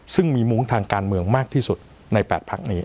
ซึ่งมีมุ้งทางการเมืองมากที่สุดใน๘พักนี้